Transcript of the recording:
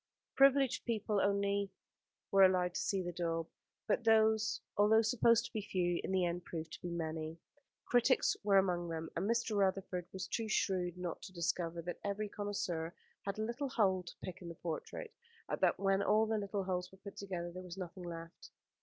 Privileged people only were allowed to see the daub; but those, although supposed to be few, in the end proved to be many. Critics were among them, and Mr. Rutherford was too shrewd not to discover that every connoisseur had a little hole to pick in the portrait, and that when all the little holes were put together there was nothing left.